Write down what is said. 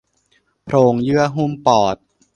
โพรงเยื่อหุ้มปอด